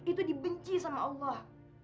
itu dibenci sama allah